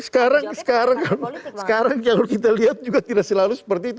sekarang sekarang yang kita lihat juga tidak selalu seperti itu